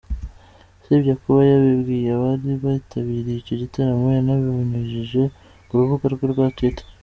Usibye kuba yabibwiye abari bitabiriye icyo gitaramo, yanabinyujije ku rubuga rwe rwa Twitter.